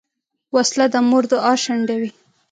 وسله د مور دعا شنډوي